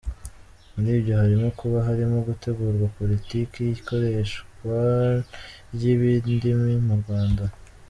Muri byo harimo kuba harimo gutegurwa politiki y’ ikoreshwa ry’ iby’ indimi mu Rwanda.